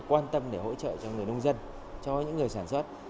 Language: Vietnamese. quan tâm để hỗ trợ cho người nông dân cho những người sản xuất